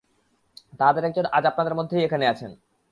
তাঁহাদের একজন আজ আপনাদের মধ্যেই এখানে আছেন।